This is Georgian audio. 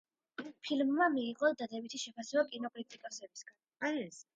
ფილმმა მიიღო დადებითი შეფასებები კინოკრიტიკოსებისგან.